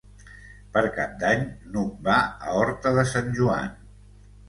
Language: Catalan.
Per Cap d'Any n'Hug va a Horta de Sant Joan.